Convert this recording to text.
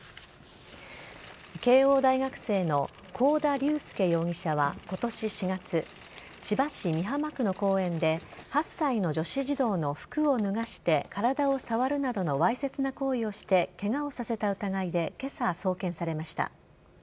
慶応大学生の幸田龍祐容疑者は今年４月千葉市美浜区の公園で８歳の女子児童の服を脱がして体を触るなどのわいせつな行為をしてケガをさせた疑いで今朝、送検されました。